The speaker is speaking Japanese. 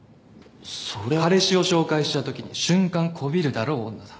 そりゃあ彼氏を紹介したときに瞬間こびるだろう女だ